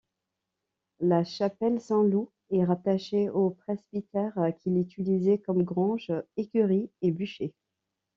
La chapelle Saint-Loup est rattachée au presbytère qui l'utilisait comme grange, écurie et bûcher.